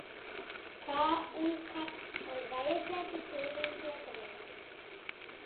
Kā un kad man vajadzētu tīrīt rotaļlietu?